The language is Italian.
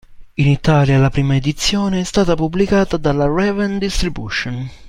In Italia la prima edizione è stata pubblicata dalla Raven Distribution.